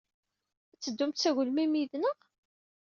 Ad teddumt s agelmim yid-nneɣ?